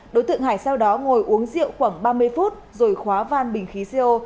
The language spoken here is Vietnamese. đối tượng hải sau đó ngồi uống rượu khoảng ba mươi phút rồi khóa van bình khí co